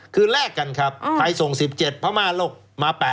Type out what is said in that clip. คือแลกกันครับไทยส่ง๑๗พม่าโลกมา๘